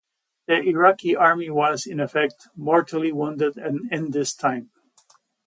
The Iraqi army was, in effect, mortally wounded in this time.